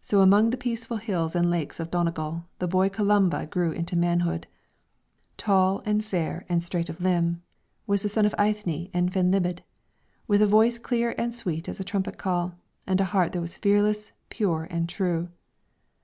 So among the peaceful hills and lakes of Donegal the boy Columba grew into manhood. Tall and fair and straight of limb was the son of Eithne and Fedhlimidh, with a voice clear and sweet as a trumpet call, and a heart that was fearless, pure, and true.